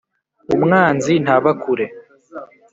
Umwanzi ntaba kure.